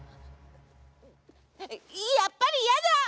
やっぱりやだ！